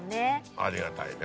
ありがたいね